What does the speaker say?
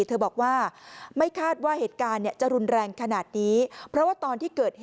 เธอบอกว่าไม่คาดว่าเหตุการณ์จะรุนแรงขนาดนี้